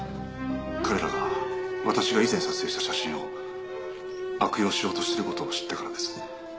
「彼らが私が以前撮影した写真を悪用しようとしてる事を知ったからです」